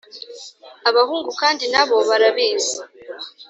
Abahungu kandi na bo barabizi